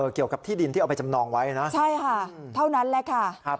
เกี่ยวกับที่ดินที่เอาไปจำนองไว้นะใช่ค่ะเท่านั้นแหละค่ะครับ